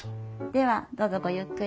ではどうぞごゆっくり。